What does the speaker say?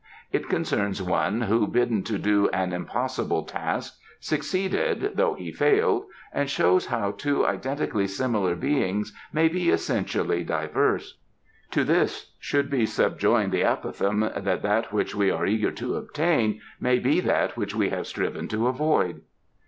It concerns one who, bidden to do an impossible task, succeeded though he failed, and shows how two identically similar beings may be essentially diverse. To this should be subjoined the apophthegm that that which we are eager to obtain may be that which we have striven to avoid."